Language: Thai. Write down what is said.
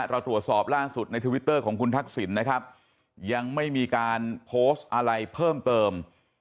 เราตรวจสอบล่าสุดในทวิตเตอร์ของคุณทักษิณนะครับยังไม่มีการโพสต์อะไรเพิ่มเติม